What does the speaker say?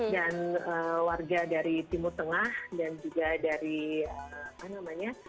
dan warga dari timur tengah dan juga dari mana namanya